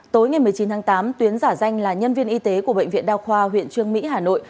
tối ngày một mươi chín tháng tám tuyến giả danh là nhân viên y tế của bệnh viện đa khoa huyện trương mỹ hà nội